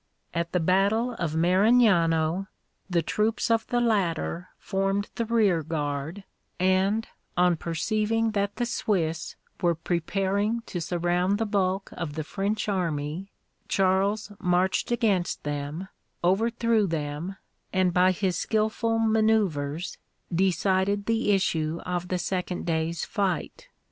At the battle of Marignano the troops of the latter formed the rearguard, and, on perceiving that the Swiss were preparing to surround the bulk of the French army, Charles marched against them, overthrew them, and by his skilful manouvres decided the issue of the second day's fight.